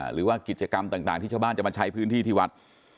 หรือว่ากิจกรรมต่างที่ชาวบ้านจะมาใช้พื้นที่ที่วัด